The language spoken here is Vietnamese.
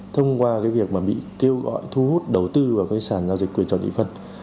thông qua việc bị kêu gọi thu hút đầu tư vào các sàn giao dịch quyền chọn nhị phân